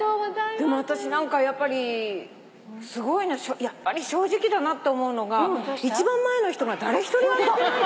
私何かやっぱりやっぱり正直だなって思うのが一番前の人が誰一人あげてない。